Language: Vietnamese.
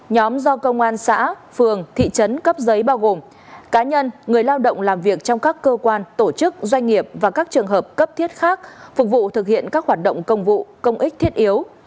nhóm do công an xã phường thị trấn cấp giấy bao gồm cá nhân người lao động làm việc trong các cơ quan tổ chức doanh nghiệp và các trường hợp cấp thiết khác phục vụ thực hiện các hoạt động công vụ công ích thiết yếu